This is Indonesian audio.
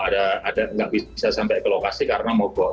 tidak bisa sampai ke lokasi karena mogok